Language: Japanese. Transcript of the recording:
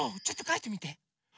ちょっとかいてみて。